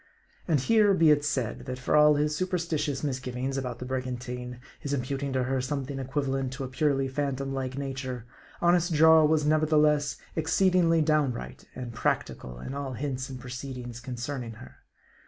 And here be it said, that for all his superstitious misgiv ings about the brigantine ; his imputing to her something equivalent to a purely phantom like nature, honest Jarl was nevertheless exceedingly downright and practical in all hints and proceedings concerning her.